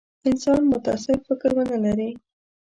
انسان متعصب فکر ونه لري.